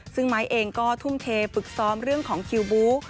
ซึ่งไม้เองก็ทุ่มเทฝึกซ้อมเรื่องของคิวบู๊